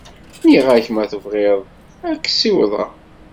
Nniɣ-ak ma tebɣiḍ ad k-ssiwḍeɣ.